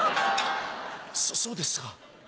「そそうですか」。